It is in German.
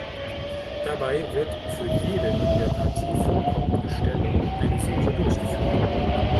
Dabei wird für jede in der Partie vorkommende Stellung eine Suche durchgeführt.